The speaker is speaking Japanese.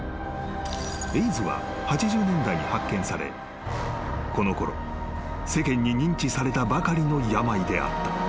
［エイズは８０年代に発見されこのころ世間に認知されたばかりの病であった］